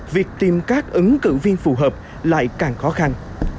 việc tìm các ứng cử viên phù hợp lại càng khó khăn